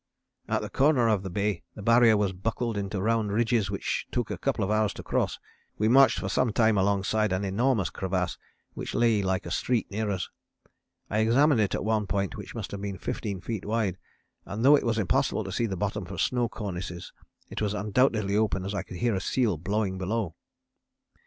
"At the corner of the bay the Barrier was buckled into round ridges which took a couple of hours to cross. We marched for some time alongside an enormous crevasse, which lay like a street near us. I examined it at one point which must have been 15 feet wide, and though it was impossible to see the bottom for snow cornices it was undoubtedly open as I could hear a seal blowing below."